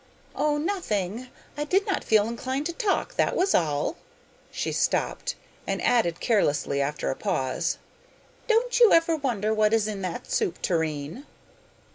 'Oh, nothing; I did not feel inclined to talk, that was all!' She stopped, and added carelessly after a pause, 'Don't you ever wonder what is in that soup tureen?